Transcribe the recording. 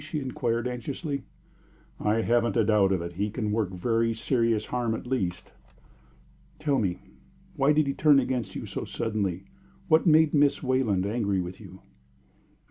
she inquired, anxiously. "I haven't a doubt of it. He can work very serious harm, at least." "Tell me why did he turn against you so suddenly? What made Miss Wayland angry with you?"